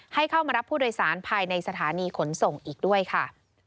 ให้เข้ามารับผู้โดยสารภายในสถานีขนส่งอีกด้วยค่ะ